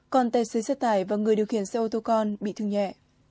còn tài xế xe tải và người điều khiển xe ô tô con bị thương nhẹ